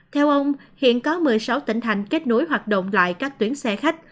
theo ông hiện có một mươi sáu tỉnh thành kết nối hoạt động lại các tuyến xe khách